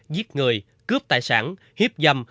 giết người cướp tài sản hiếp dâm